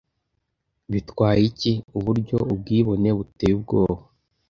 bitwaye iki uburyo ubwibone buteye ubwoba